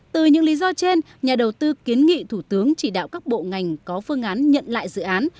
từ những lý do trên nhà đầu tư kiến nghị thủ tướng chỉ đạo các bộ ngành có phương án nhận lại dự án